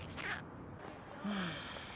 うん。